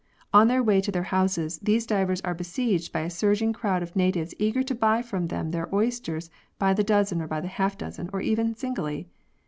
On their way to their houses these divers are besieged by a surging crowd of natives eager to buy from them their oysters by the dozen or by the half dozen, or even singly.